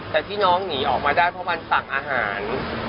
แต่ที่น้องหนีออกมาได้เพราะมันตักอาหาร